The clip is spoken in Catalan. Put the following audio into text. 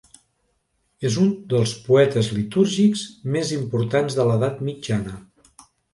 És un dels poetes litúrgics més importants de l'edat mitjana.